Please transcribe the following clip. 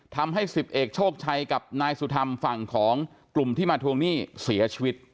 ทำให้๑๐เอกโชคชัยกับนายสุธรรมฝั่งของกลุ่มที่มาทวงหนี้เสียชีวิต